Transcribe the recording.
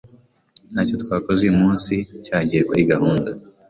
Ntacyo twakoze uyu munsi cyagiye kuri gahunda.